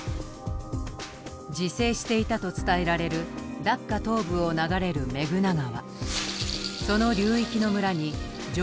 自生していたと伝えられるダッカ東部を流れるメグナ川。